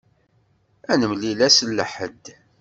Ad nemlil ass n Lḥedd.